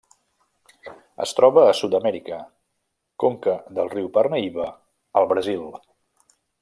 Es troba a Sud-amèrica: conca del riu Parnaíba al Brasil.